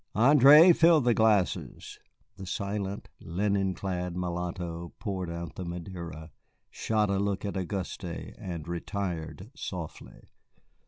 "André, fill the glasses." The silent, linen clad mulatto poured out the Madeira, shot a look at Auguste, and retired softly.